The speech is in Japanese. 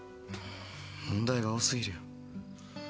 問題が多すぎるよ。